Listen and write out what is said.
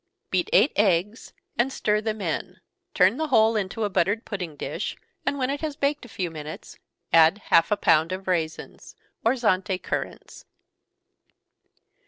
Beat eight eggs, and stir them in turn the whole into a buttered pudding dish, and when it has baked a few minutes, add half a pound of raisins, or Zante currants.